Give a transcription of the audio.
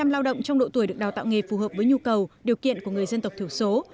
năm mươi lao động trong độ tuổi được đào tạo nghề phù hợp với nhu cầu điều kiện của người dân tộc thiểu số